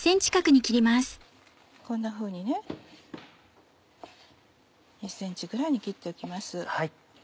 こんなふうにね１ｃｍぐらいに切っておきます。